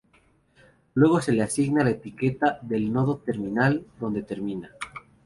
Luego se le asigna la etiqueta del nodo terminal donde termina.